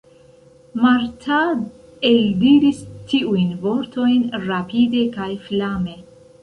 Marta eldiris tiujn vortojn rapide kaj flame.